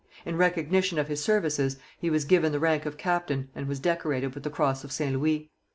In recognition of his services he was given the rank of captain and was decorated with the Cross of St Louis.